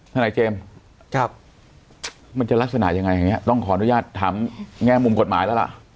ทนายเจมส์มันจะลักษณะยังไงอย่างนี้ต้องขออนุญาตถามแง่มุมกฎหมายแล้วล่ะ